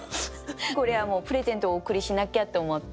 これはもうプレゼントをお贈りしなきゃって思って。